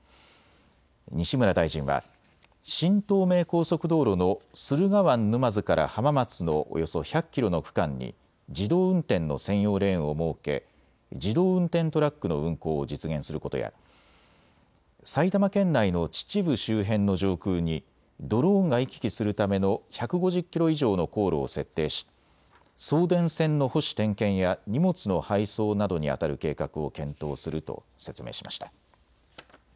西村大臣は新東名高速道路の駿河湾沼津から浜松のおよそ１００キロの区間に自動運転の専用レーンを設け自動運転トラックの運行を実現することや埼玉県内の秩父周辺の上空にドローンが行き来するための１５０キロ以上の航路を設定し送電線の保守点検や荷物の配送などにあたる計画を検討すると説明しました。